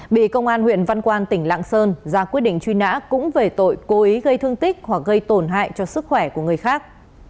bị công an huyện văn quan tỉnh lạng sơn ra quyết định truy nã cũng về tội cố ý gây thương tích hoặc gây tổn hại cho sức khỏe của người khác